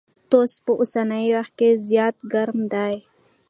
توس په اوسني وخت کي زيات ګرم دی.